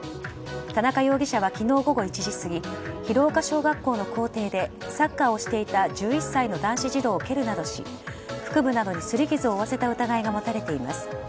田中容疑者は昨日午後１時過ぎ広丘小学校の校庭でサッカーをしていた１１歳の男子児童を蹴るなどし腹部などにすり傷を負わせた疑いが持たれています。